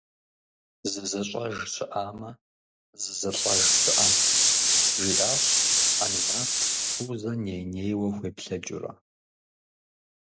«Зызыщӏэж щыӏамэ зызылӏэж щыӏэнт?» - жиӏащ Аминат, Фузэ ней-нейуэ хуеплъэкӏыурэ.